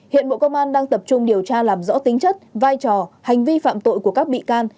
hiện bộ công an đang tập trung điều tra làm rõ tính chất vai trò hành vi phạm tội của các bị can